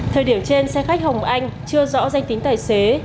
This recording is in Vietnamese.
thời điểm trên xe khách hồng anh chưa rõ danh tính tài xế